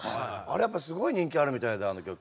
あれやっぱすごい人気あるみたいであの曲。